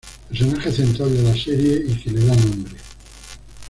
Personaje central de la serie y que le da nombre.